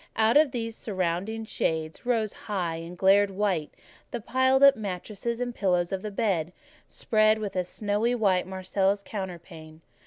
Out of these deep surrounding shades rose high, and glared white, the piled up mattresses and pillows of the bed, spread with a snowy Marseilles counterpane.